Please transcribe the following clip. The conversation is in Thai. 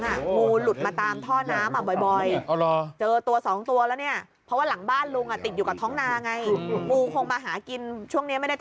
ยาวมากจริงค่ะนี่โอ้โหพันรอบฝาลองนั่งนะนี่อยู่แบบนี้ค่ะ